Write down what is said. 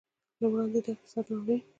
له وړاندې د اقتصادي ناورین